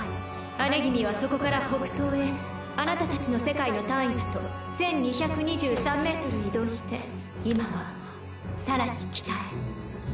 姉君はそこから北東へあなたたちの世界の単位だと１２２３メートル移動して今は更に北へ。